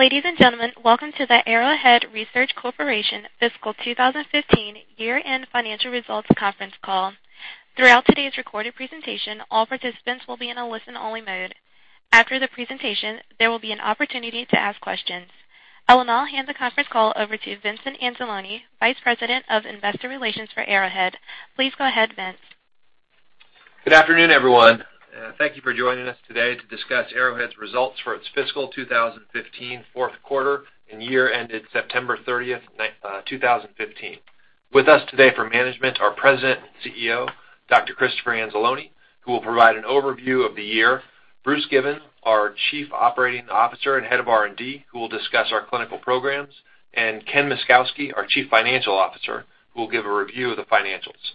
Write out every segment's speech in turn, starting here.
Ladies and gentlemen, welcome to the Arrowhead Research Corporation Fiscal 2015 Year-End Financial Results Conference Call. Throughout today's recorded presentation, all participants will be in a listen-only mode. After the presentation, there will be an opportunity to ask questions. I will now hand the conference call over to Vincent Anzalone, Vice President of Investor Relations for Arrowhead. Please go ahead, Vince. Good afternoon, everyone. Thank you for joining us today to discuss Arrowhead's results for its fiscal 2015 fourth quarter and year ended September 30, 2015. With us today for management, our President and Chief Executive Officer, Dr. Christopher Anzalone, who will provide an overview of the year, Bruce Given, our Chief Operating Officer and Head of R&D, who will discuss our clinical programs, and Ken Myszkowski, our Chief Financial Officer, who will give a review of the financials.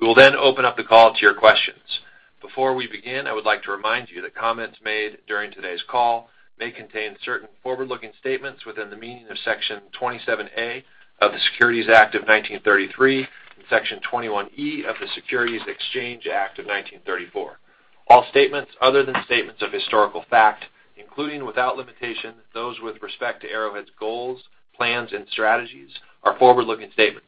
We will open up the call to your questions. Before we begin, I would like to remind you that comments made during today's call may contain certain forward-looking statements within the meaning of Section 27A of the Securities Act of 1933 and Section 21E of the Securities Exchange Act of 1934. All statements other than statements of historical fact, including without limitation those with respect to Arrowhead's goals, plans, and strategies, are forward-looking statements.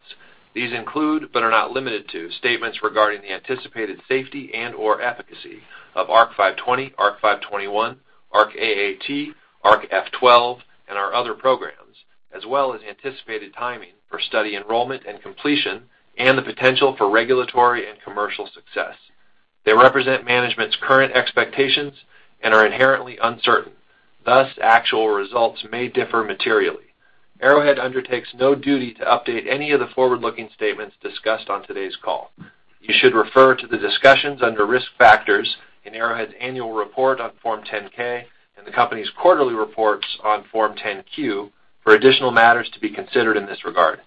These include, but are not limited to, statements regarding the anticipated safety and/or efficacy of ARC-520, ARC-521, ARC-AAT, ARC-F12, and our other programs, as well as anticipated timing for study enrollment and completion and the potential for regulatory and commercial success. They represent management's current expectations and are inherently uncertain. Thus, actual results may differ materially. Arrowhead undertakes no duty to update any of the forward-looking statements discussed on today's call. You should refer to the discussions under Risk Factors in Arrowhead's annual report on Form 10-K and the company's quarterly reports on Form 10-Q for additional matters to be considered in this regard.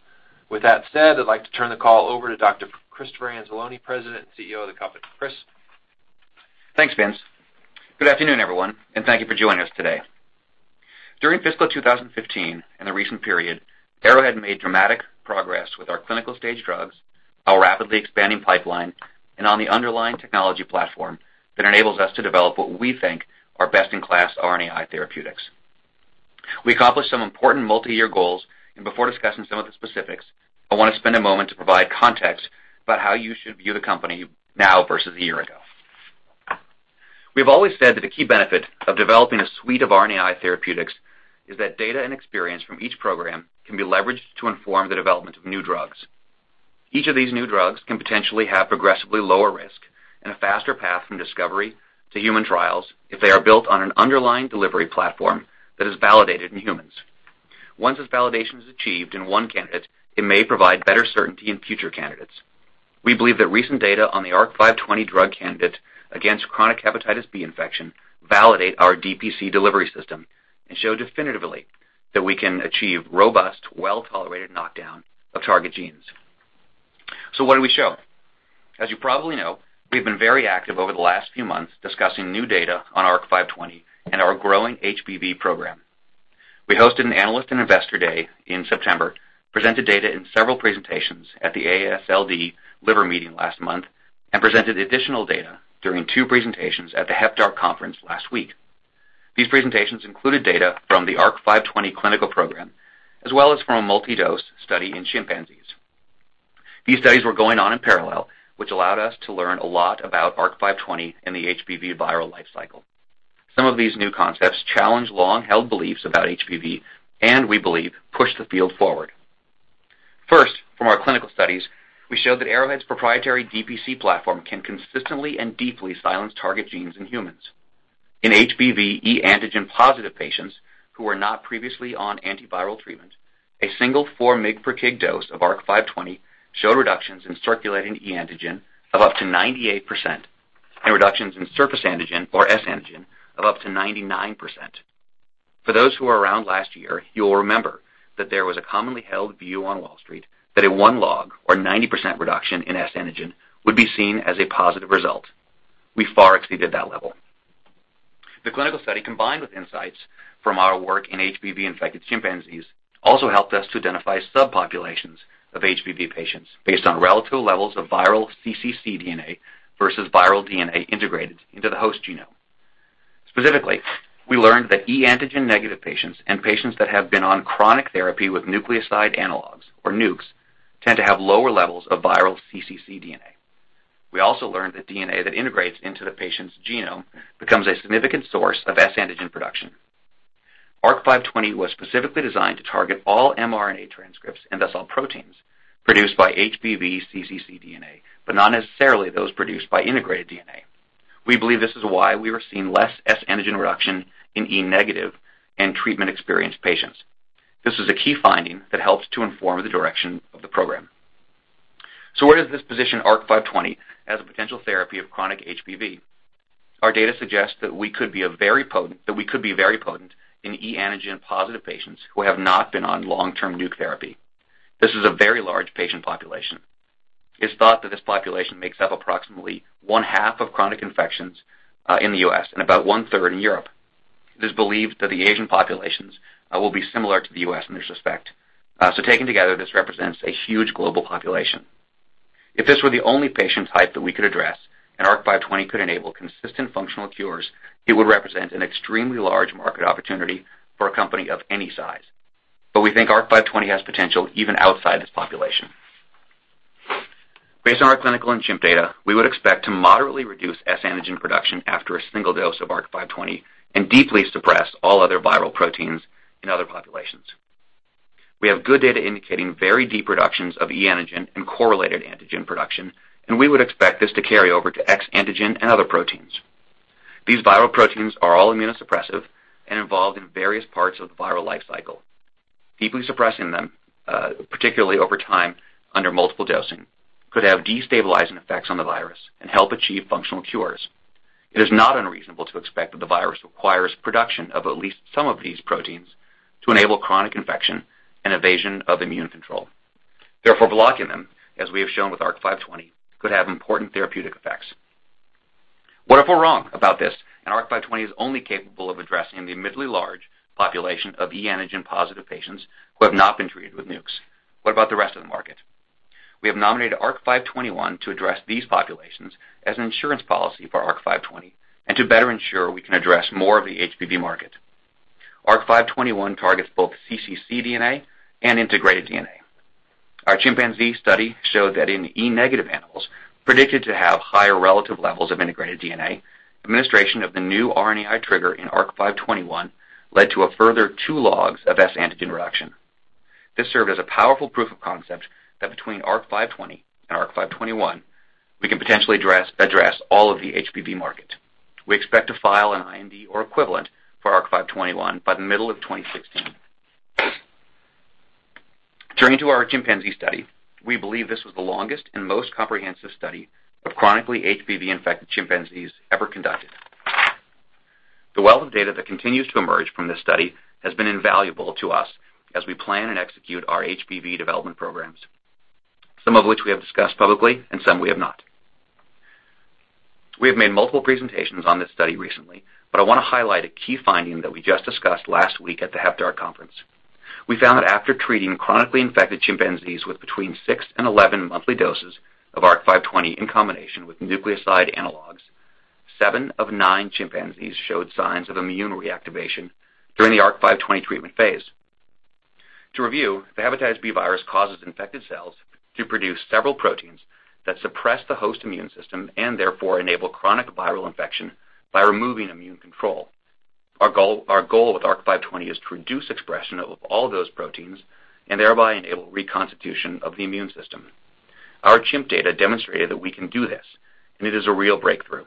With that said, I'd like to turn the call over to Dr. Christopher Anzalone, President and Chief Executive Officer of the company. Chris? Thanks, Vince. Good afternoon, everyone, and thank you for joining us today. During fiscal 2015 and the recent period, Arrowhead made dramatic progress with our clinical stage drugs, our rapidly expanding pipeline, and on the underlying technology platform that enables us to develop what we think are best-in-class RNAi therapeutics. We accomplished some important multi-year goals, and before discussing some of the specifics, I want to spend a moment to provide context about how you should view the company now versus a year ago. We've always said that a key benefit of developing a suite of RNAi therapeutics is that data and experience from each program can be leveraged to inform the development of new drugs. Each of these new drugs can potentially have progressively lower risk and a faster path from discovery to human trials if they are built on an underlying delivery platform that is validated in humans. Once this validation is achieved in one candidate, it may provide better certainty in future candidates. We believe that recent data on the ARC-520 drug candidate against chronic hepatitis B infection validate our DPC delivery system and show definitively that we can achieve robust, well-tolerated knockdown of target genes. What did we show? As you probably know, we've been very active over the last few months discussing new data on ARC-520 and our growing HBV program. We hosted an Analyst and Investor Day in September, presented data in several presentations at the AASLD Liver Meeting last month, and presented additional data during two presentations at the HepDART conference last week. These presentations included data from the ARC-520 clinical program, as well as from a multi-dose study in chimpanzees. These studies were going on in parallel, which allowed us to learn a lot about ARC-520 and the HBV viral life cycle. Some of these new concepts challenge long-held beliefs about HBV and, we believe, push the field forward. First, from our clinical studies, we showed that Arrowhead's proprietary DPC platform can consistently and deeply silence target genes in humans. In HBV e-antigen positive patients who were not previously on antiviral treatment, a single four mg per kg dose of ARC-520 showed reductions in circulating e-antigen of up to 98%, and reductions in surface antigen or S antigen of up to 99%. For those who were around last year, you will remember that there was a commonly held view on Wall Street that a one log, or 90% reduction in S antigen would be seen as a positive result. We far exceeded that level. The clinical study, combined with insights from our work in HBV-infected chimpanzees, also helped us to identify subpopulations of HBV patients based on relative levels of viral cccDNA versus viral DNA integrated into the host genome. Specifically, we learned that e-antigen negative patients and patients that have been on chronic therapy with nucleoside analogues, or NUCs, tend to have lower levels of viral cccDNA. We also learned that DNA that integrates into the patient's genome becomes a significant source of S antigen production. ARC-520 was specifically designed to target all mRNA transcripts and thus all proteins produced by HBV cccDNA, but not necessarily those produced by integrated DNA. We believe this is why we were seeing less S antigen reduction in e-negative and treatment-experienced patients. This is a key finding that helps to inform the direction of the program. Where does this position ARC-520 as a potential therapy of chronic HBV? Our data suggests that we could be very potent in e-antigen-positive patients who have not been on long-term NUC therapy. This is a very large patient population. It's thought that this population makes up approximately one-half of chronic infections in the U.S. and about one-third in Europe. It is believed that the Asian populations will be similar to the U.S. in this respect. Taken together, this represents a huge global population. If this were the only patient type that we could address and ARC-520 could enable consistent functional cures, it would represent an extremely large market opportunity for a company of any size. We think ARC-520 has potential even outside this population. Based on our clinical and chimp data, we would expect to moderately reduce S antigen production after a single dose of ARC-520 and deeply suppress all other viral proteins in other populations. We have good data indicating very deep reductions of e-antigen and correlated antigen production. We would expect this to carry over to X antigen and other proteins. These viral proteins are all immunosuppressive and involved in various parts of the viral life cycle. Deeply suppressing them, particularly over time under multiple dosing, could have destabilizing effects on the virus and help achieve functional cures. It is not unreasonable to expect that the virus requires production of at least some of these proteins to enable chronic infection and evasion of immune control. Blocking them, as we have shown with ARC-520, could have important therapeutic effects. What if we're wrong about this? ARC-520 is only capable of addressing the admittedly large population of e-antigen-positive patients who have not been treated with NUCs. What about the rest of the market? We have nominated ARC-521 to address these populations as an insurance policy for ARC-520 and to better ensure we can address more of the HBV market. ARC-521 targets both cccDNA and integrated DNA. Our chimpanzee study showed that in e-negative animals predicted to have higher relative levels of integrated DNA, administration of the new RNAi trigger in ARC-521 led to a further 2 logs of S antigen reduction. This served as a powerful proof of concept that between ARC-520 and ARC-521, we can potentially address all of the HBV market. We expect to file an IND or equivalent for ARC-521 by the middle of 2016. Turning to our chimpanzee study, we believe this was the longest and most comprehensive study of chronically HBV-infected chimpanzees ever conducted. The wealth of data that continues to emerge from this study has been invaluable to us as we plan and execute our HBV development programs, some of which we have discussed publicly and some we have not. We have made multiple presentations on this study recently. I want to highlight a key finding that we just discussed last week at the HepDART conference. We found that after treating chronically infected chimpanzees with between six and 11 monthly doses of ARC-520 in combination with nucleoside analogs, seven of nine chimpanzees showed signs of immune reactivation during the ARC-520 treatment phase. To review, the hepatitis B virus causes infected cells to produce several proteins that suppress the host immune system and therefore enable chronic viral infection by removing immune control. Our goal with ARC-520 is to reduce expression of all those proteins and thereby enable reconstitution of the immune system. Our chimp data demonstrated that we can do this. It is a real breakthrough.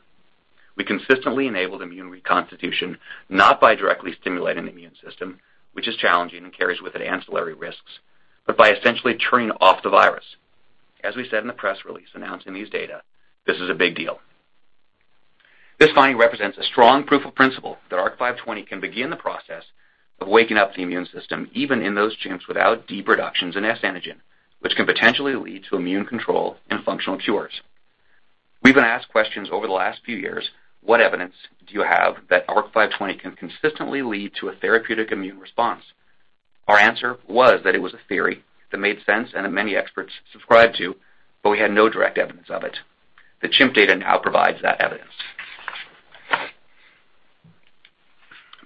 We consistently enabled immune reconstitution, not by directly stimulating the immune system, which is challenging and carries with it ancillary risks, but by essentially turning off the virus. As we said in the press release announcing these data, this is a big deal. This finding represents a strong proof of principle that ARC-520 can begin the process of waking up the immune system, even in those chimps without deep reductions in S antigen, which can potentially lead to immune control and functional cures. We've been asked questions over the last few years, what evidence do you have that ARC-520 can consistently lead to a therapeutic immune response? Our answer was that it was a theory that made sense and that many experts subscribed to, but we had no direct evidence of it. The chimp data now provides that evidence.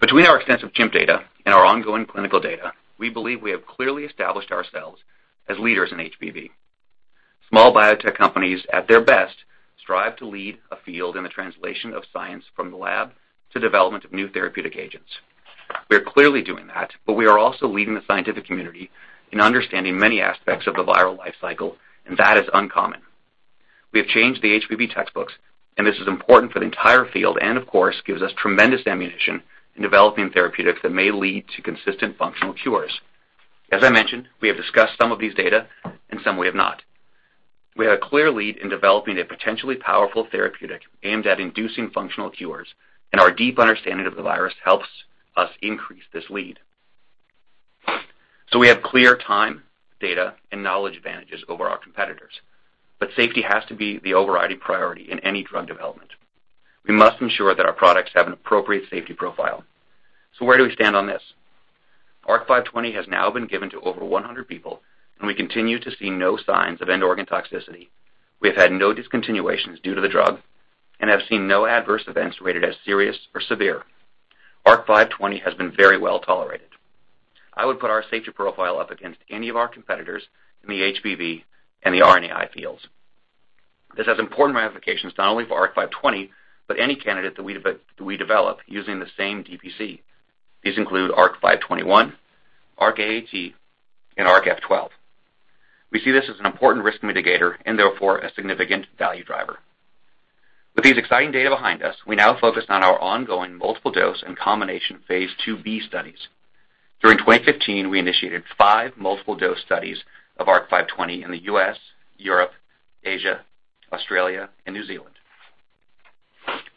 Between our extensive chimp data and our ongoing clinical data, we believe we have clearly established ourselves as leaders in HBV. Small biotech companies, at their best, strive to lead a field in the translation of science from the lab to development of new therapeutic agents. We are clearly doing that, but we are also leading the scientific community in understanding many aspects of the viral life cycle, and that is uncommon. We have changed the HBV textbooks, and this is important for the entire field and of course, gives us tremendous ammunition in developing therapeutics that may lead to consistent functional cures. As I mentioned, we have discussed some of these data and some we have not. We have a clear lead in developing a potentially powerful therapeutic aimed at inducing functional cures, and our deep understanding of the virus helps us increase this lead. We have clear time, data, and knowledge advantages over our competitors, but safety has to be the overriding priority in any drug development. We must ensure that our products have an appropriate safety profile. Where do we stand on this? ARC-520 has now been given to over 100 people, and we continue to see no signs of end organ toxicity. We have had no discontinuations due to the drug and have seen no adverse events rated as serious or severe. ARC-520 has been very well tolerated. I would put our safety profile up against any of our competitors in the HBV and the RNAi fields. This has important ramifications not only for ARC-520 but any candidate that we develop using the same DPC. These include ARC-521, ARC-AAT, and ARC-F12. We see this as an important risk mitigator and therefore a significant value driver. With these exciting data behind us, we now focus on our ongoing multiple dose and combination phase IIb studies. During 2015, we initiated five multiple dose studies of ARC-520 in the U.S., Europe, Asia, Australia, and New Zealand.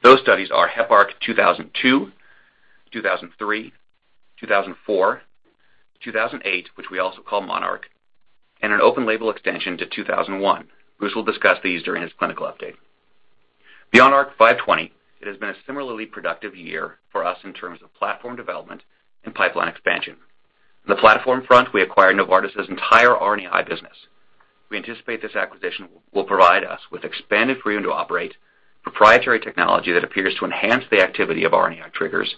Those studies are Heparc-2002, 2003, 2004, 2008, which we also call MONARCH, and an open label extension to 2001. Bruce will discuss these during his clinical update. Beyond ARC-520, it has been a similarly productive year for us in terms of platform development and pipeline expansion. On the platform front, we acquired Novartis' entire RNAi business. We anticipate this acquisition will provide us with expanded freedom to operate proprietary technology that appears to enhance the activity of RNAi triggers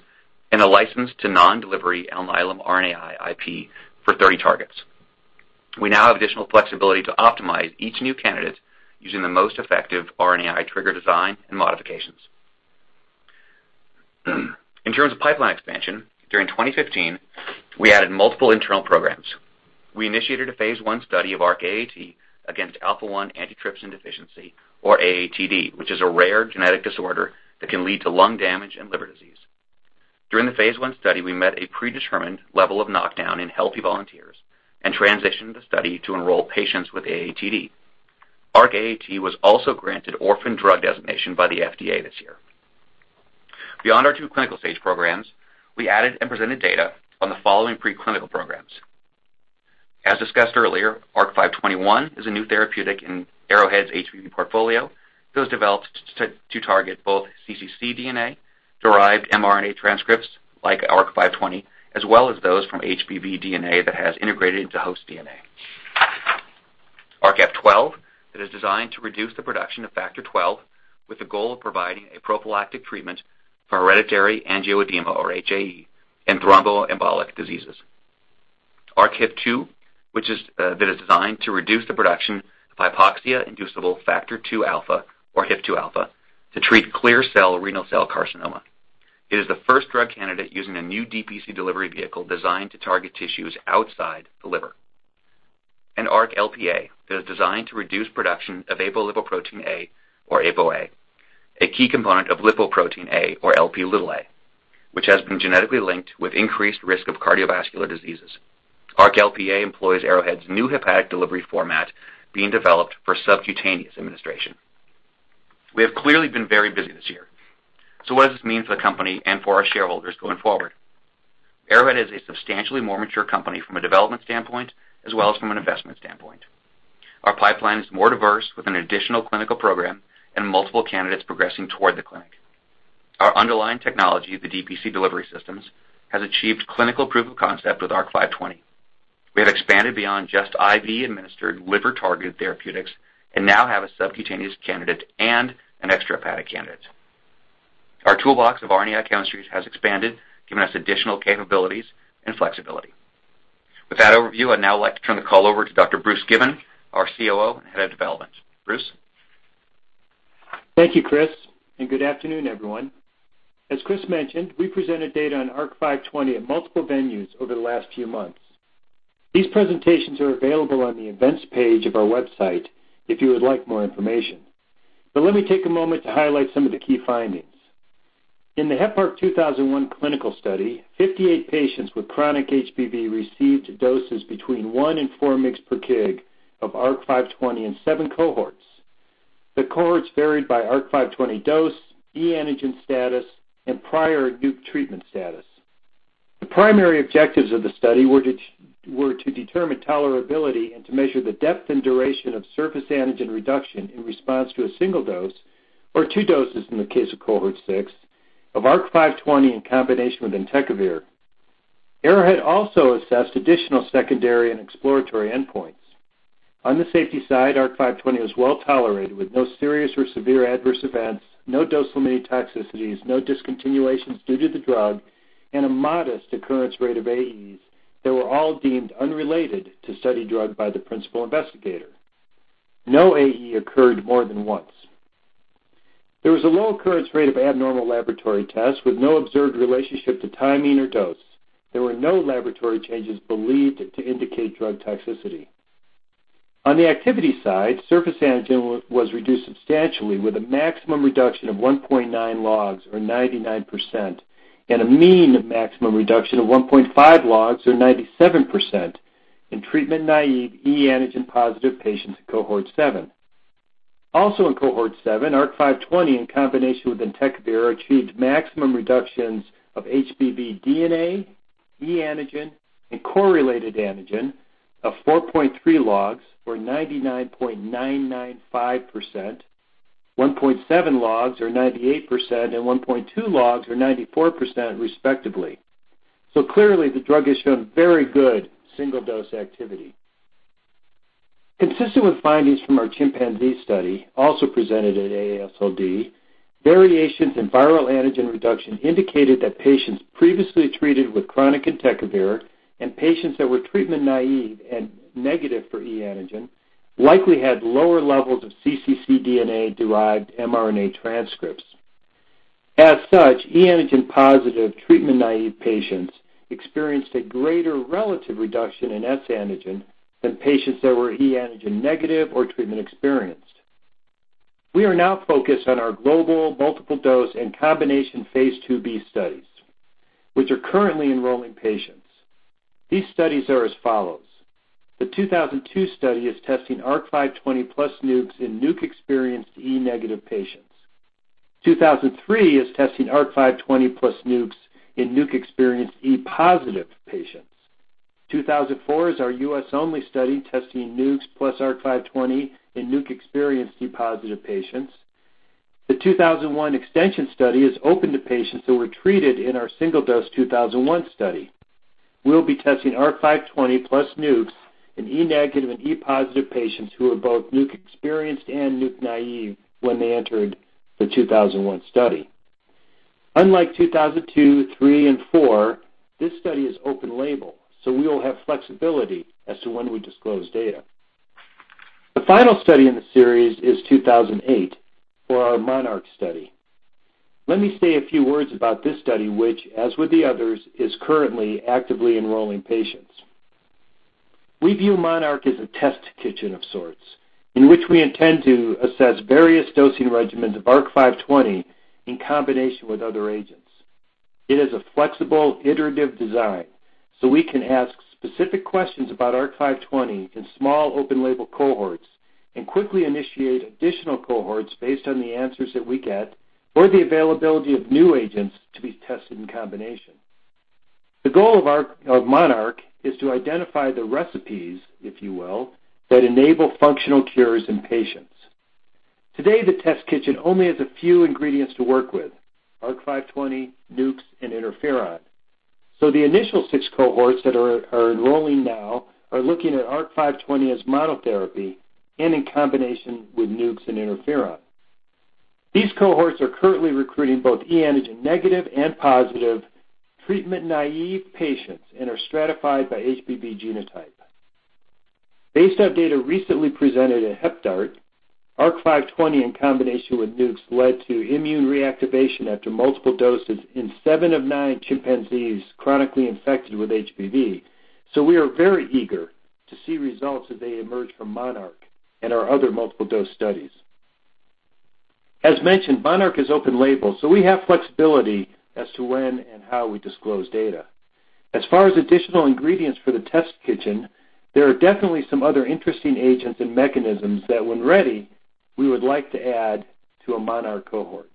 and a license to non-delivery Alnylam RNAi IP for 30 targets. We now have additional flexibility to optimize each new candidate using the most effective RNAi trigger design and modifications. In terms of pipeline expansion, during 2015, we added multiple internal programs. We initiated a phase I study of ARC-AAT against alpha-1 antitrypsin deficiency, or AATD, which is a rare genetic disorder that can lead to lung damage and liver disease. During the phase I study, we met a predetermined level of knockdown in healthy volunteers and transitioned the study to enroll patients with AATD. ARC-AAT was also granted orphan drug designation by the FDA this year. Beyond our two clinical stage programs, we added and presented data on the following preclinical programs. As discussed earlier, ARC-521 is a new therapeutic in Arrowhead's HBV portfolio that was developed to target both cccDNA, derived mRNA transcripts like ARC-520, as well as those from HBV DNA that has integrated into host DNA. ARC-F12 that is designed to reduce the production of Factor XII with the goal of providing a prophylactic treatment for hereditary angioedema, or HAE, and thromboembolic diseases. ARC-HIF2, that is designed to reduce the production of hypoxia-inducible factor 2-alpha, or HIF-2 alpha, to treat clear cell renal cell carcinoma. It is the first drug candidate using a new DPC delivery vehicle designed to target tissues outside the liver. ARC-LPA that is designed to reduce production of apolipoprotein(a), or apo(a), a key component of lipoprotein(a), or Lp(a), which has been genetically linked with increased risk of cardiovascular diseases. ARC-LPA employs Arrowhead's new hepatic delivery format being developed for subcutaneous administration. We have clearly been very busy this year. What does this mean for the company and for our shareholders going forward? Arrowhead is a substantially more mature company from a development standpoint, as well as from an investment standpoint. Our pipeline is more diverse with an additional clinical program and multiple candidates progressing toward the clinic. Our underlying technology, the DPC delivery systems, has achieved clinical proof of concept with ARC-520. We have expanded beyond just IV-administered liver-targeted therapeutics and now have a subcutaneous candidate and an extrahepatic candidate. Our toolbox of RNAi chemistries has expanded, giving us additional capabilities and flexibility. With that overview, I'd now like to turn the call over to Dr. Bruce Given, our COO and head of development. Bruce? Thank you, Chris, and good afternoon, everyone. As Chris mentioned, we presented data on ARC-520 at multiple venues over the last few months. These presentations are available on the events page of our website if you would like more information. Let me take a moment to highlight some of the key findings. In the Heparc-2001 clinical study, 58 patients with chronic HBV received doses between 1 and 4 mg/kg of ARC-520 in 7 cohorts. The cohorts varied by ARC-520 dose, e-antigen status, and prior NUC treatment status. The primary objectives of the study were to determine tolerability and to measure the depth and duration of surface antigen reduction in response to a single dose, or 2 doses in the case of cohort 6, of ARC-520 in combination with entecavir. Arrowhead also assessed additional secondary and exploratory endpoints. On the safety side, ARC-520 was well-tolerated with no serious or severe adverse events, no dose-limited toxicities, no discontinuations due to the drug, and a modest occurrence rate of AEs that were all deemed unrelated to study drug by the principal investigator. No AE occurred more than once. There was a low occurrence rate of abnormal laboratory tests with no observed relationship to timing or dose. There were no laboratory changes believed to indicate drug toxicity. On the activity side, surface antigen was reduced substantially with a maximum reduction of 1.9 logs or 99%, and a mean maximum reduction of 1.5 logs or 97% in treatment naive, e-antigen-positive patients in cohort 7. Also in cohort 7, ARC-520 in combination with entecavir achieved maximum reductions of HBV DNA, e-antigen, and core-related antigen of 4.3 logs or 99.995%, 1.7 logs or 98%, and 1.2 logs or 94% respectively. Clearly the drug has shown very good single-dose activity. Consistent with findings from our chimpanzee study, also presented at AASLD, variations in viral antigen reduction indicated that patients previously treated with chronic entecavir and patients that were treatment naive and negative for e-antigen likely had lower levels of cccDNA-derived mRNA transcripts. As such, e-antigen-positive treatment-naive patients experienced a greater relative reduction in S antigen than patients that were e-antigen negative or treatment experienced. We are now focused on our global multiple-dose and combination phase IIb studies, which are currently enrolling patients. These studies are as follows. The 2002 study is testing ARC-520 plus NUCs in NUC-experienced e-negative patients. 2003 is testing ARC-520 plus NUCs in NUC-experienced e-positive patients. 2004 is our U.S.-only study testing NUCs plus ARC-520 in NUC-experienced e-positive patients. The 2001 extension study is open to patients who were treated in our single-dose 2001 study. We'll be testing ARC-520 plus NUCs in e-negative and e-positive patients who are both NUC-experienced and NUC-naive when they entered the 2001 study. Unlike 2002, '3, and '4, this study is open-label, so we will have flexibility as to when we disclose data. The final study in the series is 2008, or our MONARCH study. Let me say a few words about this study, which, as with the others, is currently actively enrolling patients. We view MONARCH as a test kitchen of sorts, in which we intend to assess various dosing regimens of ARC-520 in combination with other agents. It is a flexible, iterative design, so we can ask specific questions about ARC-520 in small open-label cohorts and quickly initiate additional cohorts based on the answers that we get or the availability of new agents to be tested in combination. The goal of MONARCH is to identify the recipes, if you will, that enable functional cures in patients. Today, the test kitchen only has a few ingredients to work with, ARC-520, NUCs, and interferon. The initial six cohorts that are enrolling now are looking at ARC-520 as monotherapy and in combination with NUCs and interferon. These cohorts are currently recruiting both e-antigen negative and positive treatment-naive patients and are stratified by HBV genotype. Based on data recently presented at HepDART, ARC-520 in combination with NUCs led to immune reactivation after multiple doses in seven of nine chimpanzees chronically infected with HBV. We are very eager to see results as they emerge from MONARCH and our other multiple-dose studies. As mentioned, MONARCH is open-label, we have flexibility as to when and how we disclose data. As far as additional ingredients for the test kitchen, there are definitely some other interesting agents and mechanisms that, when ready, we would like to add to a MONARCH cohort.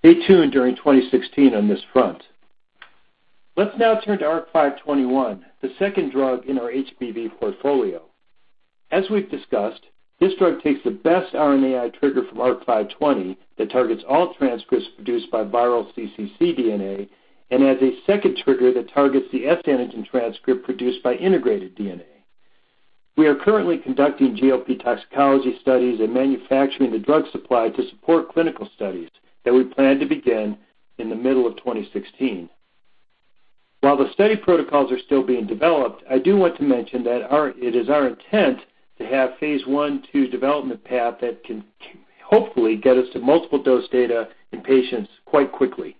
Stay tuned during 2016 on this front. Let's now turn to ARC-521, the second drug in our HBV portfolio. As we've discussed, this drug takes the best RNAi trigger from ARC-520 that targets all transcripts produced by viral cccDNA and adds a second trigger that targets the S antigen transcript produced by integrated DNA. We are currently conducting GLP toxicology studies and manufacturing the drug supply to support clinical studies that we plan to begin in the middle of 2016. While the study protocols are still being developed, I do want to mention that it is our intent to have phase I/II development path that can hopefully get us to multiple dose data in patients quite quickly.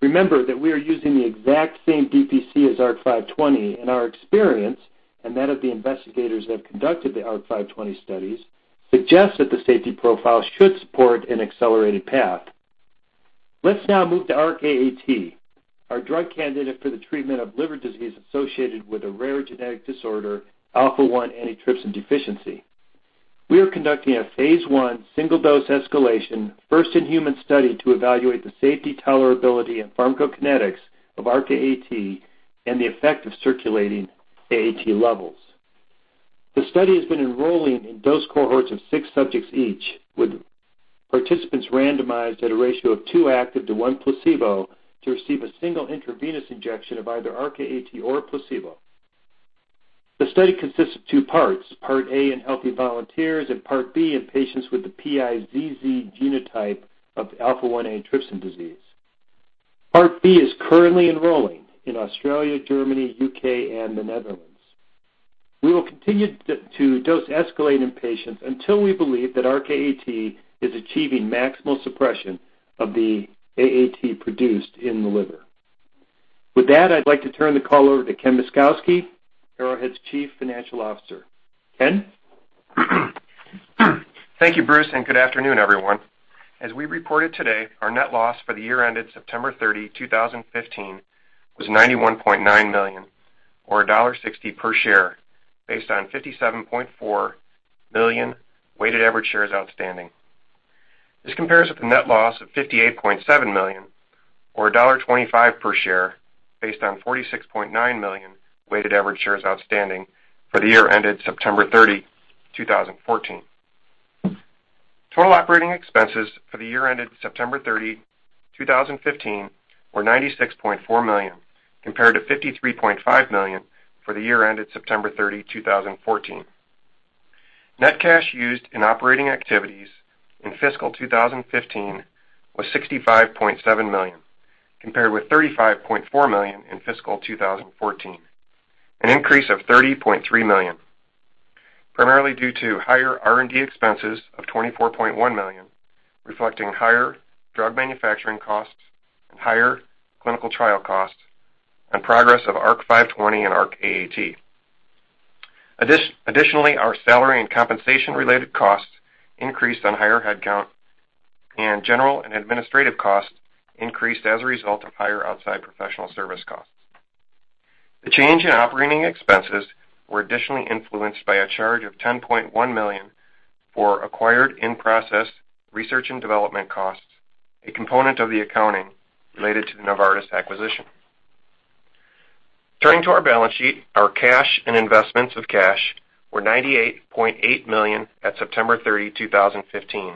We are using the exact same DPC as ARC-520, and our experience, and that of the investigators that have conducted the ARC-520 studies, suggests that the safety profile should support an accelerated path. Let's now move to ARC-AAT, our drug candidate for the treatment of liver disease associated with a rare genetic disorder, alpha-1 antitrypsin deficiency. We are conducting a phase I single-dose escalation first-in-human study to evaluate the safety tolerability and pharmacokinetics of ARC-AAT and the effect of circulating AAT levels. The study has been enrolling in dose cohorts of six subjects each, with participants randomized at a ratio of two active to one placebo to receive a single intravenous injection of either ARC-AAT or a placebo. The study consists of two parts, Part A in healthy volunteers and Part B in patients with the PiZZ genotype of alpha-1 antitrypsin deficiency. Part B is currently enrolling in Australia, Germany, U.K., and the Netherlands. We will continue to dose escalate in patients until we believe that ARC-AAT is achieving maximal suppression of the AAT produced in the liver. With that, I'd like to turn the call over to Ken Myszkowski, Arrowhead's Chief Financial Officer. Ken? Thank you, Bruce. Good afternoon, everyone. As we reported today, our net loss for the year ended September 30, 2015, was $91.9 million or $1.60 per share based on 57.4 million weighted average shares outstanding. This compares with the net loss of $58.7 million or $1.25 per share based on 46.9 million weighted average shares outstanding for the year ended September 30, 2014. Total operating expenses for the year ended September 30, 2015, were $96.4 million compared to $53.5 million for the year ended September 30, 2014. Net cash used in operating activities in fiscal 2015 was $65.7 million compared with $35.4 million in fiscal 2014, an increase of $30.3 million primarily due to higher R&D expenses of $24.1 million reflecting higher drug manufacturing costs and higher clinical trial costs and progress of ARC-520 and ARC-AAT. Additionally, our salary and compensation-related costs increased on higher headcount. General and administrative costs increased as a result of higher outside professional service costs. The change in operating expenses were additionally influenced by a charge of $10.1 million for acquired in-process research and development costs, a component of the accounting related to the Novartis acquisition. Turning to our balance sheet, our cash and investments of cash were $98.8 million at September 30, 2015,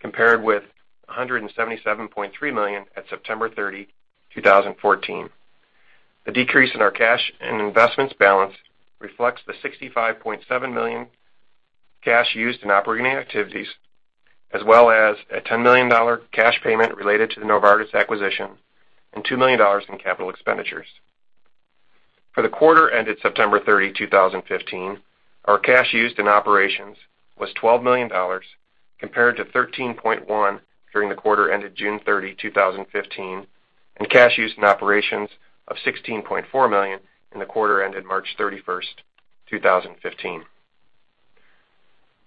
compared with $177.3 million at September 30, 2014. The decrease in our cash and investments balance reflects the $65.7 million cash used in operating activities, as well as a $10 million cash payment related to the Novartis acquisition and $2 million in capital expenditures. For the quarter ended September 30, 2015, our cash used in operations was $12 million, compared to $13.1 million during the quarter ended June 30, 2015, and cash used in operations of $16.4 million in the quarter ended March 31st, 2015.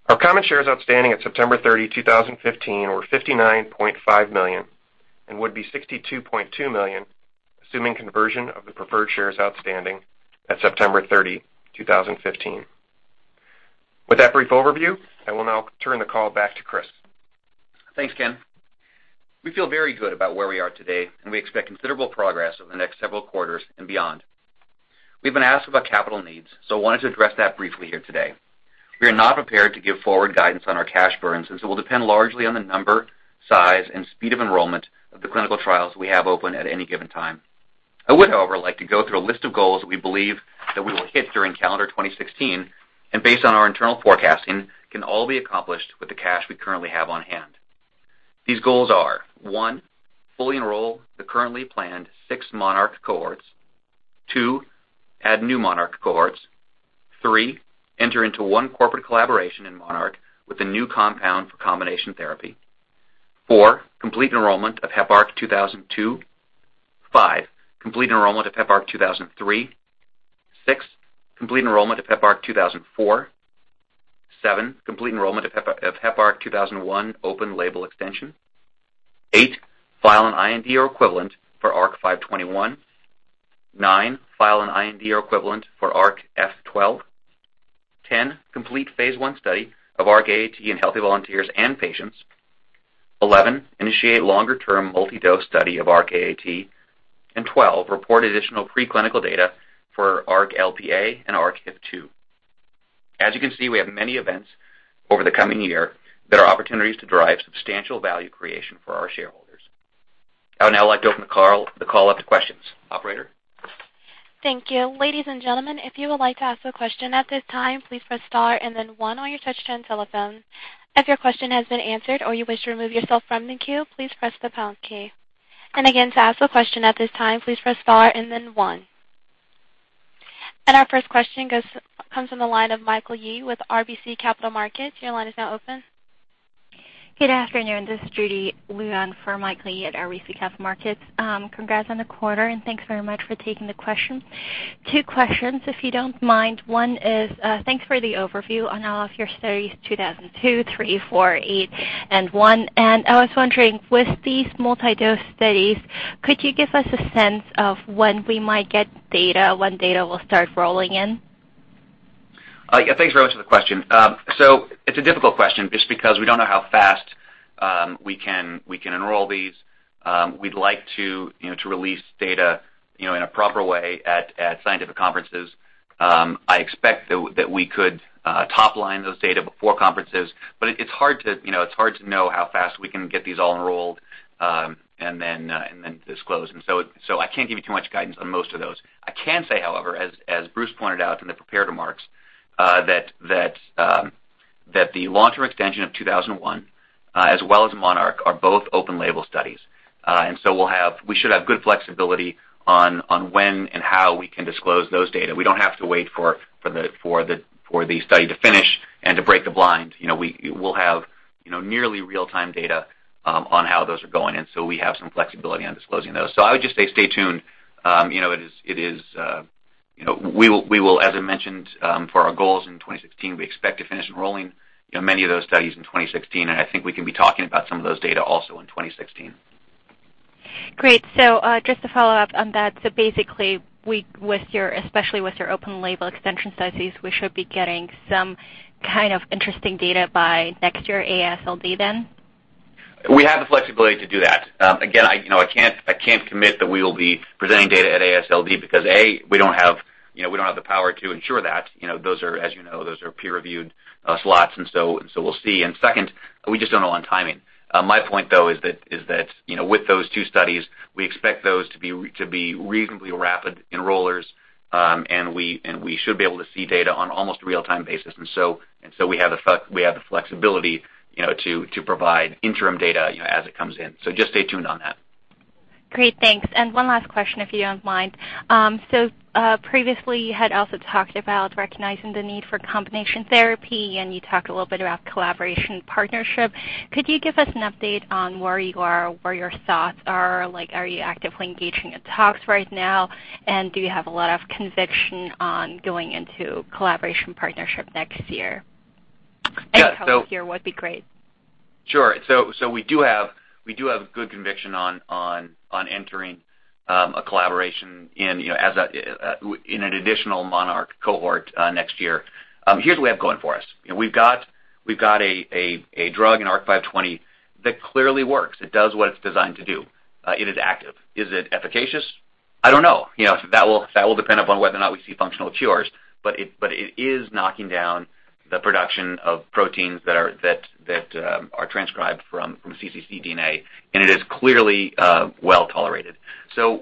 Our common shares outstanding at September 30, 2015 were 59.5 million and would be 62.2 million, assuming conversion of the preferred shares outstanding at September 30, 2015. With that brief overview, I will now turn the call back to Chris. Thanks, Ken. We feel very good about where we are today. We expect considerable progress over the next several quarters and beyond. We've been asked about capital needs, so I wanted to address that briefly here today. We are not prepared to give forward guidance on our cash burns, since it will depend largely on the number, size, and speed of enrollment of the clinical trials we have open at any given time. I would, however, like to go through a list of goals that we believe that we will hit during calendar 2016 and based on our internal forecasting, can all be accomplished with the cash we currently have on hand. These goals are, One, fully enroll the currently planned six MONARCH cohorts. Two, add new MONARCH cohorts. Three, enter into one corporate collaboration in MONARCH with a new compound for combination therapy. Four, complete enrollment of Heparc-2002. Five, complete enrollment of Heparc-2003. Six, complete enrollment of Heparc-2004. Seven, complete enrollment of Heparc-2001 open label extension. Eight, file an IND or equivalent for ARC-521. Nine, file an IND or equivalent for ARC-F12. 10, complete phase I study of ARC-AAT in healthy volunteers and patients. 11, initiate longer-term multi-dose study of ARC-AAT. 12, report additional pre-clinical data for ARC-LPA and ARC-HIF2. As you can see, we have many events over the coming year that are opportunities to drive substantial value creation for our shareholders. I would now like to open the call up to questions. Operator? Thank you. Ladies and gentlemen, if you would like to ask a question at this time, please press star and then one on your touch-tone telephone. If your question has been answered or you wish to remove yourself from the queue, please press the pound key. Again, to ask a question at this time, please press star and then one. Our first question comes from the line of Michael Yee with RBC Capital Markets. Your line is now open. Good afternoon. This is Judy Lu on for Michael Yee at RBC Capital Markets. Congrats on the quarter, thanks very much for taking the questions. Two questions, if you don't mind. One is, thanks for the overview on all of your studies, 2002, 3, 4, 8, and 1. I was wondering, with these multi-dose studies, could you give us a sense of when we might get data, when data will start rolling in? Thanks very much for the question. It's a difficult question just because we don't know how fast we can enroll these. We'd like to release data in a proper way at scientific conferences. I expect that we could top-line those data before conferences, but it's hard to know how fast we can get these all enrolled and then disclose. I can't give you too much guidance on most of those. I can say, however, as Bruce pointed out in the prepared remarks that the long-term extension of 2001 as well as MONARCH are both open label studies. We should have good flexibility on when and how we can disclose those data. We don't have to wait for the study to finish and to break the blind. We'll have nearly real-time data on how those are going in, so we have some flexibility on disclosing those. I would just say stay tuned. As I mentioned for our goals in 2016, we expect to finish enrolling many of those studies in 2016, I think we can be talking about some of those data also in 2016. Great. Just to follow up on that, basically, especially with your open label extension studies, we should be getting some kind of interesting data by next year AASLD then? We have the flexibility to do that. Again, I can't commit that we will be presenting data at AASLD because, A, we don't have the power to ensure that. As you know, those are peer-reviewed slots. We'll see. Second, we just don't know on timing. My point, though, is that with those two studies, we expect those to be reasonably rapid enrollers and we should be able to see data on almost a real-time basis. We have the flexibility to provide interim data as it comes in. Just stay tuned on that. Great. Thanks. One last question, if you don't mind. Previously, you had also talked about recognizing the need for combination therapy. You talked a little bit about collaboration partnership. Could you give us an update on where you are, where your thoughts are? Are you actively engaging in talks right now? Do you have a lot of conviction on going into collaboration partnership next year? Any color here would be great. Sure. We do have good conviction on entering a collaboration in an additional MONARCH cohort next year. Here's what we have going for us. We've got a drug, an ARC-520, that clearly works. It does what it's designed to do. It is active. Is it efficacious? I don't know. That will depend upon whether or not we see functional cures, but it is knocking down the production of proteins that are transcribed from cccDNA. It is clearly well-tolerated.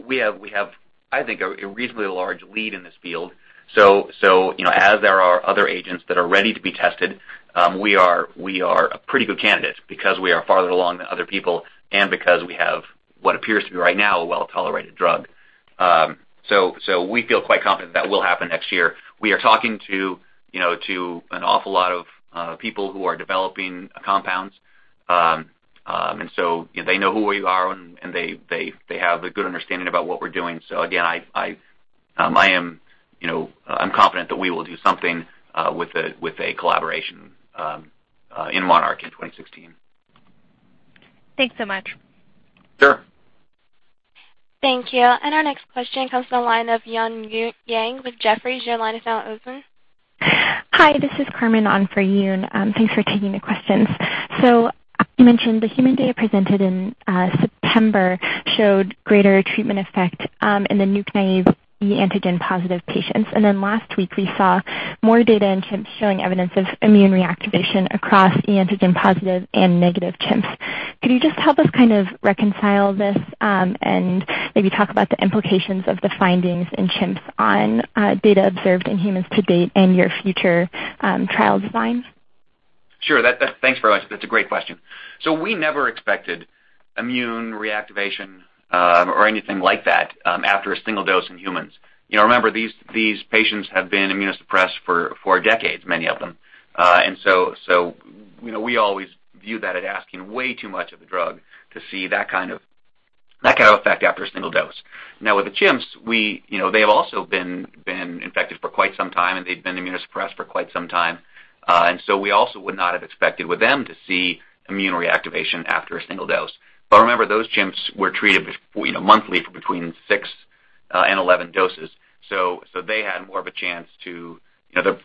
We have, I think, a reasonably large lead in this field. As there are other agents that are ready to be tested, we are a pretty good candidate because we are farther along than other people and because we have what appears to be right now a well-tolerated drug. We feel quite confident that will happen next year. We are talking to an awful lot of people who are developing compounds. They know who we are. They have a good understanding about what we're doing. Again, I'm confident that we will do something with a collaboration in MONARCH in 2016. Thanks so much. Sure. Thank you. Our next question comes from the line of Yoon Yang with Jefferies. Your line is now open. Hi, this is Carmen on for Yoon. Thanks for taking the questions. You mentioned the human data presented in September showed greater treatment effect in the NUC-naive, e-antigen positive patients. Last week we saw more data in chimps showing evidence of immune reactivation across e-antigen positive and negative chimps. Could you just help us kind of reconcile this and maybe talk about the implications of the findings in chimps on data observed in humans to date and your future trial designs? Sure. Thanks very much. That's a great question. We never expected immune reactivation or anything like that after a single dose in humans. Remember, these patients have been immunosuppressed for decades, many of them. We always view that as asking way too much of the drug to see that kind of effect after a single dose. Now with the chimps, they've also been infected for quite some time, and they've been immunosuppressed for quite some time. We also would not have expected with them to see immune reactivation after a single dose. Remember, those chimps were treated monthly for between six and 11 doses.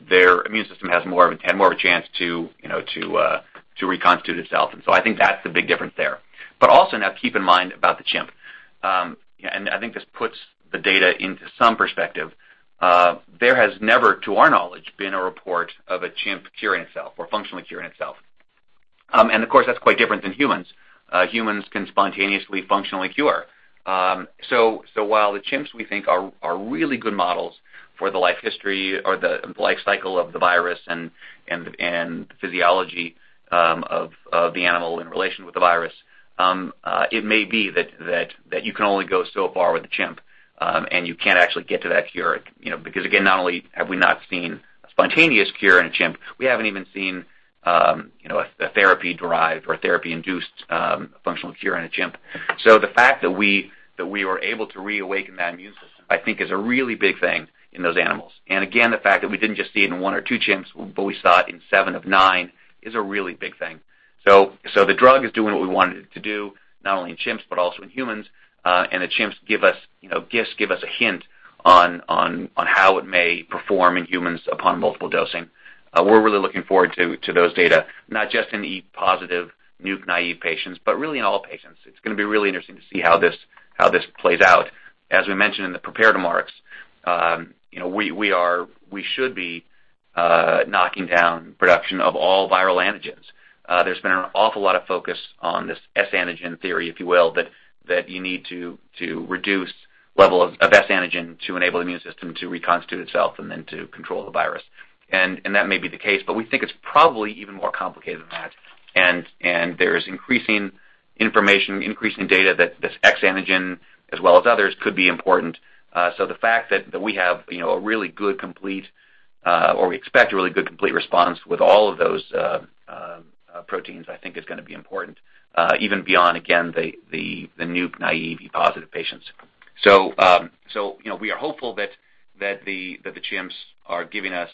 Their immune system had more of a chance to reconstitute itself, and so I think that's the big difference there. Also now keep in mind about the chimp, and I think this puts the data into some perspective. There has never, to our knowledge, been a report of a chimp curing itself or functionally curing itself. Of course, that's quite different than humans. Humans can spontaneously functionally cure. While the chimps we think are really good models for the life history or the life cycle of the virus and the physiology of the animal in relation with the virus, it may be that you can only go so far with a chimp, and you can't actually get to that cure. Because again, not only have we not seen a spontaneous cure in a chimp, we haven't even seen a therapy-derived or therapy-induced functional cure in a chimp. The fact that we were able to reawaken that immune system, I think is a really big thing in those animals. Again, the fact that we didn't just see it in one or two chimps, but we saw it in 7 of 9 is a really big thing. The drug is doing what we want it to do, not only in chimps but also in humans. The chimps give us a hint on how it may perform in humans upon multiple dosing. We're really looking forward to those data, not just in e-positive NUCs-naive patients, but really in all patients. It's going to be really interesting to see how this plays out. As we mentioned in the prepared remarks, we should be knocking down production of all viral antigens. There's been an awful lot of focus on this S antigen theory, if you will, that you need to reduce level of S antigen to enable the immune system to reconstitute itself and then to control the virus. That may be the case, but we think it's probably even more complicated than that, and there is increasing information, increasing data that this X antigen as well as others could be important. The fact that we have a really good complete, or we expect a really good complete response with all of those proteins, I think is going to be important even beyond, again, the NUCs-naive e-positive patients. We are hopeful that the chimps are giving us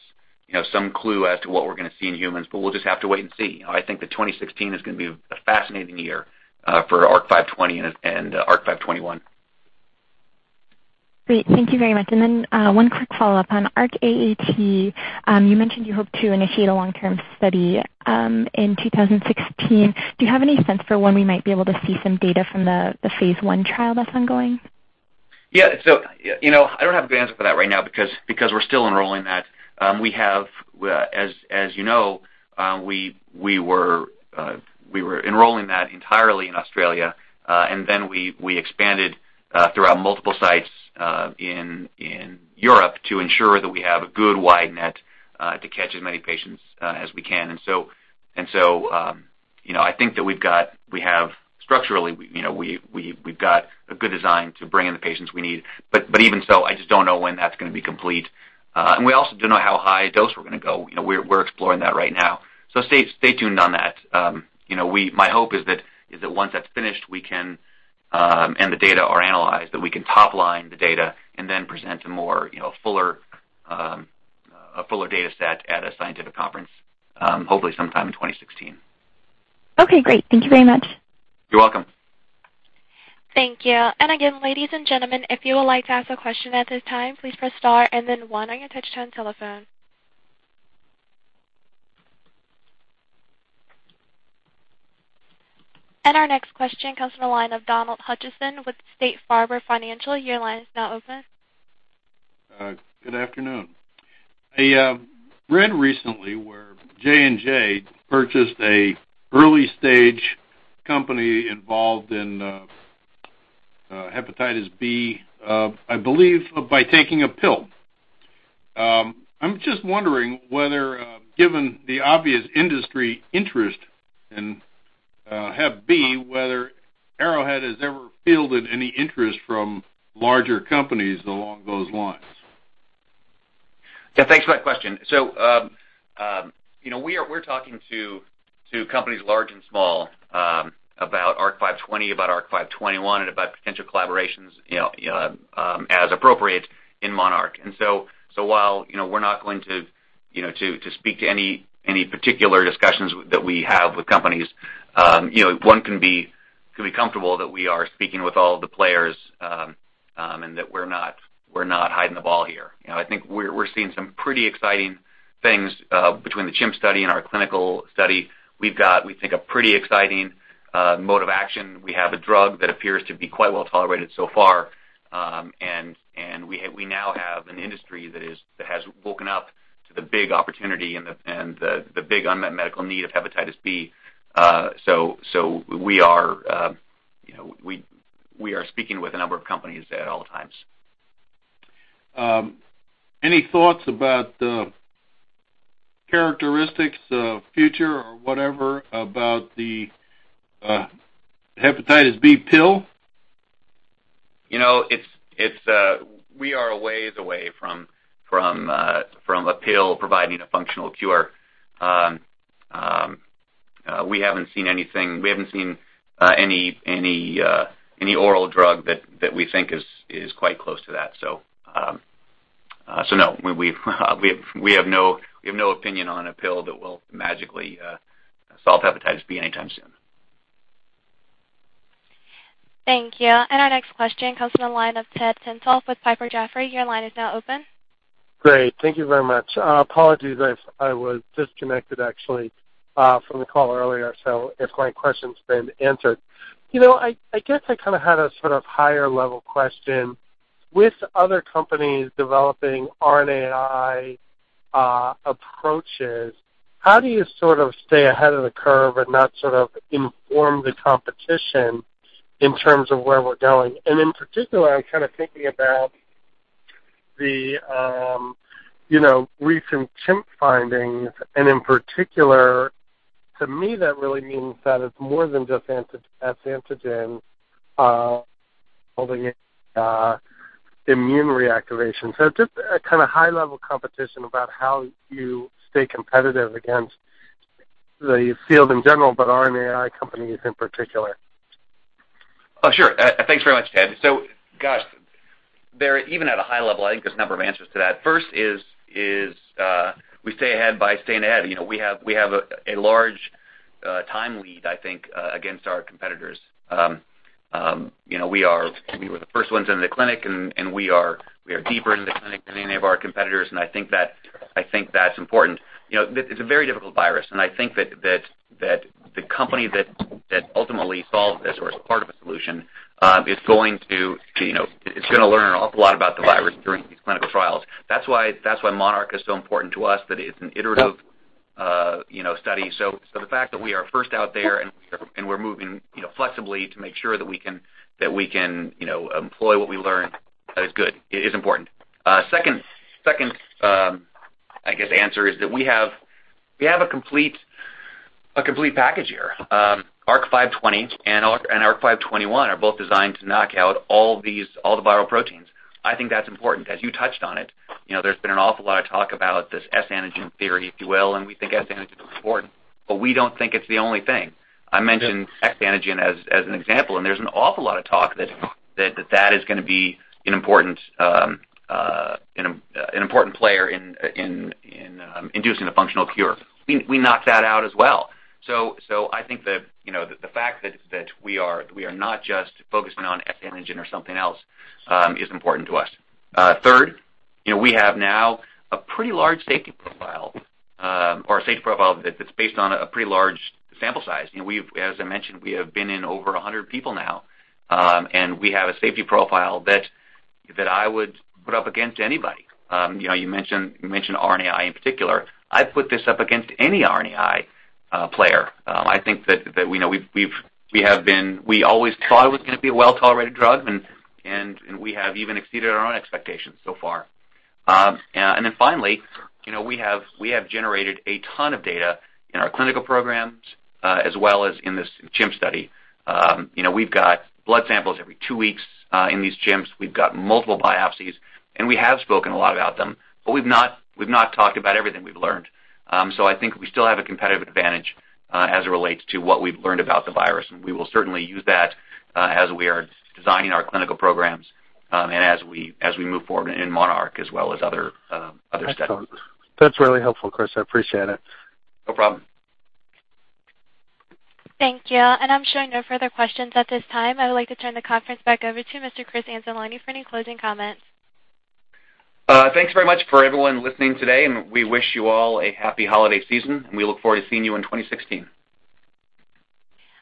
some clue as to what we're going to see in humans, but we'll just have to wait and see. I think that 2016 is going to be a fascinating year for ARC-520 and ARC-521. Great. Thank you very much. Then one quick follow-up on ARC-AAT. You mentioned you hope to initiate a long-term study in 2016. Do you have any sense for when we might be able to see some data from the phase I trial that's ongoing? I don't have a good answer for that right now because we're still enrolling that. As you know, we were enrolling that entirely in Australia, and then we expanded throughout multiple sites in Europe to ensure that we have a good wide net to catch as many patients as we can. I think that structurally, we've got a good design to bring in the patients we need. Even so, I just don't know when that's going to be complete. We also don't know how high dose we're going to go. We're exploring that right now. Stay tuned on that. My hope is that once that's finished and the data are analyzed, that we can top-line the data and then present a fuller data set at a scientific conference, hopefully sometime in 2016. Okay, great. Thank you very much. You're welcome. Thank you. Again, ladies and gentlemen, if you would like to ask a question at this time, please press star and then one on your touch-tone telephone. Our next question comes from the line of Donald Hutchison with State Farm Financial. Your line is now open. Good afternoon. I read recently where J&J purchased an early-stage company involved in hepatitis B, I believe by taking a pill. I'm just wondering whether, given the obvious industry interest in hep B, whether Arrowhead has ever fielded any interest from larger companies along those lines. Yeah. Thanks for that question. We're talking to companies large and small about ARC-520, about ARC-521, and about potential collaborations as appropriate in MONARCH. While we're not going to speak to any particular discussions that we have with companies, one can be comfortable that we are speaking with all of the players, and that we're not hiding the ball here. I think we're seeing some pretty exciting things between the chimp study and our clinical study. We've got, we think, a pretty exciting mode of action. We have a drug that appears to be quite well-tolerated so far. We now have an industry that has woken up to the big opportunity and the big unmet medical need of hepatitis B. We are speaking with a number of companies at all times. Any thoughts about the characteristics, future, or whatever about the hepatitis B pill? We are a ways away from a pill providing a functional cure. We haven't seen any oral drug that we think is quite close to that. No, we have no opinion on a pill that will magically solve hepatitis B anytime soon. Thank you. Our next question comes from the line of Ted Tenthoff with Piper Jaffray. Your line is now open. Great. Thank you very much. Apologies if I was disconnected actually from the call earlier, if my question's been answered. I guess I kind of had a sort of higher-level question. With other companies developing RNAi approaches, how do you sort of stay ahead of the curve and not sort of inform the competition in terms of where we're going? In particular, I'm kind of thinking about the recent chimp findings, in particular, to me, that really means that it's more than just S antigen holding immune reactivation. Just a kind of high-level competition about how you stay competitive against the field in general, but RNAi companies in particular. Oh, sure. Thanks very much, Ted. Gosh, even at a high level, I think there's a number of answers to that. First is we stay ahead by staying ahead. We have a large time lead, I think, against our competitors. We were the first ones into the clinic, we are deeper in the clinic than any of our competitors, and I think that's important. It's a very difficult virus, and I think that the company that ultimately solves this or is part of a solution is going to learn an awful lot about the virus during these clinical trials. That's why MONARCH is so important to us, that it's an iterative study. The fact that we are first out there and we're moving flexibly to make sure that we can employ what we learn is good, is important. Second, I guess answer is that we have a complete package here. ARC-520 and ARC-521 are both designed to knock out all the viral proteins. I think that's important, as you touched on it. There's been an awful lot of talk about this S antigen theory, if you will, and we think S antigen is important, but we don't think it's the only thing. I mentioned X antigen as an example, there's an awful lot of talk that is going to be an important player in inducing a functional cure. We knock that out as well. I think that the fact that we are not just focusing on X antigen or something else is important to us. Third, we have now a pretty large safety profile, or a safety profile that's based on a pretty large sample size. As I mentioned, we have been in over 100 people now, and we have a safety profile that I would put up against anybody. You mentioned RNAi in particular. I'd put this up against any RNAi player. I think that we always thought it was going to be a well-tolerated drug, and we have even exceeded our own expectations so far. Finally, we have generated a ton of data in our clinical programs as well as in this chimp study. We've got blood samples every two weeks in these chimps. We've got multiple biopsies, and we have spoken a lot about them, but we've not talked about everything we've learned. I think we still have a competitive advantage as it relates to what we've learned about the virus, and we will certainly use that as we are designing our clinical programs, and as we move forward in MONARCH as well as other studies. Excellent. That's really helpful, Chris. I appreciate it. No problem. Thank you. I'm showing no further questions at this time. I would like to turn the conference back over to Mr. Chris Anzalone for any closing comments. Thanks very much for everyone listening today, and we wish you all a happy holiday season, and we look forward to seeing you in 2016.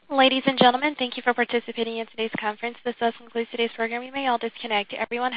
Ladies and gentlemen, thank you for participating in today's conference. This does conclude today's program. You may all disconnect. Everyone have.